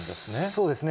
そうですね。